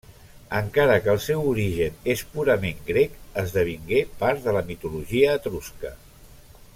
Encara que el seu origen és purament grec, esdevingué part de la mitologia etrusca.